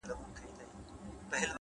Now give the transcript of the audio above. هره ورځ د نوې ودې فرصت لري,